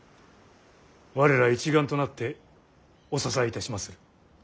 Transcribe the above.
我ら一丸となってお支えいたしまする。